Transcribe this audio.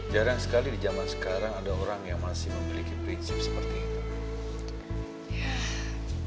jarang sekali di zaman sekarang ada orang yang masih memiliki prinsip seperti itu